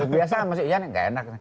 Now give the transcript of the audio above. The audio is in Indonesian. biasa masih iya nih gak enak